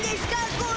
これ。